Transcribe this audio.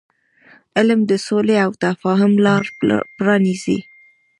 علم د سولې او تفاهم لار پرانیزي.